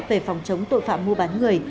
về phòng chống tội phạm mua bán người